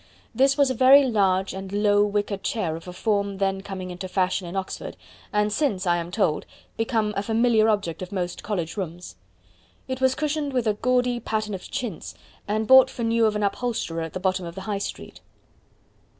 This was a very large and low wicker chair of a form then coming into fashion in Oxford, and since, I am told, become a familiar object of most college rooms. It was cushioned with a gaudy pattern of chintz, and bought for new of an upholsterer at the bottom of the High Street.